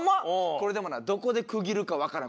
これでもなどこで区切るかわからん。